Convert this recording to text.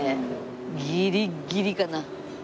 ギリギリかな。